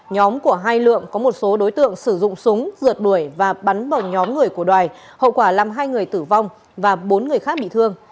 nhóm của hai lượng có một số đối tượng sử dụng súng rượt đuổi và bắn vào nhóm người của đoài hậu quả làm hai người tử vong và bốn người khác bị thương